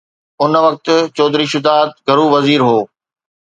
ان وقت چوڌري شجاعت گهرو وزير هو.